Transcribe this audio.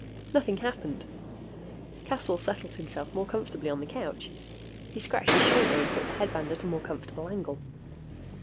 Nothing happened. Caswell settled himself more comfortably on the couch. He scratched his shoulder and put the headband at a more comfortable angle.